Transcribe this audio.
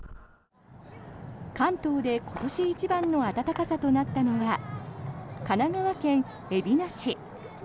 関東で今年一番の暖かさとなったのは神奈川県海老名市。